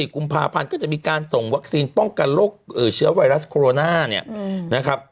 ๒๔กุมภาพันธ์ก็จะมีการส่งวัคซีนป้องกันโรคเชื้อไวรัสโคโรนา